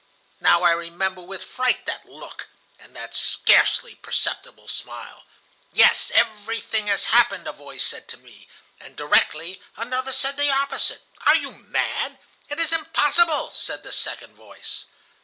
"Now I remember with fright that look and that scarcely perceptible smile. 'Yes, everything has happened,' a voice said to me, and directly another said the opposite. 'Are you mad? It is impossible!' said the second voice.